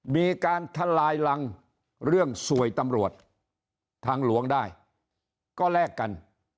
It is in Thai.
มีการทลายรังเรื่องสวยตำรวจทางหลวงได้ก็แลกกัน